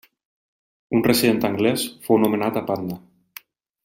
Un resident anglès fou nomenat a Patna.